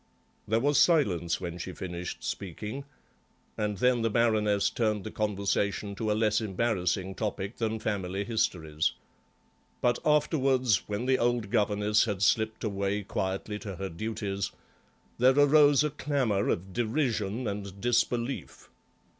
There was silence when she finished speaking, and then the Baroness turned the conversation to a less embarrassing topic than family histories. But afterwards, when the old governess had slipped away quietly to her duties, there arose a clamour of derision and disbelief.